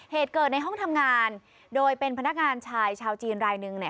เหตุเกิดในห้องทำงานโดยเป็นพนักงานชายชาวจีนรายหนึ่งเนี่ย